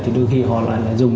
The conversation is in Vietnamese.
thì đôi khi họ lại dùng